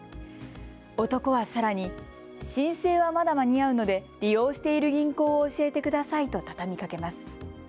男はさらに申請はまだ間に合うので利用している銀行を教えてくださいと畳みかけます。